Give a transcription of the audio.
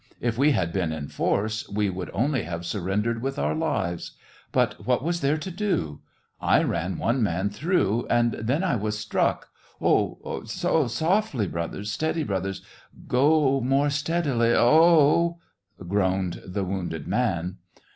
If we had been in force, we would only have surrendered with our lives. But what was there to do ? I ran one man through, and then I was struck ... O oh ! softly, broth ers ! steady, brothers ! go more steadily !... O oh !" groaned the wounded man.